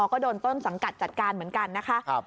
ก็โดนต้นสังกัดจัดการเหมือนกันนะคะ